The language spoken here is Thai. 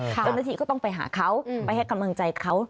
เจ้าหน้าที่ก็ต้องไปหาเขาไปให้กำลังใจเขา